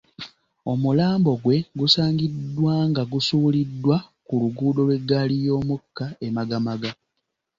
Omulambo gwe gusaangiddwa nga gusuuliddwa ku luguudo lw'eggali y'omukka e Magamaga